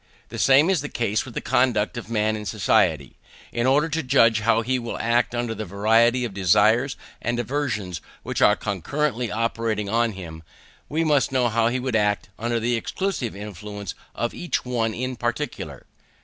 The same is the case with the conduct of man in society. In order to judge how he will act under the variety of desires and aversions which are concurrently operating upon him, we must know how he would act under the exclusive influence of each one in particular.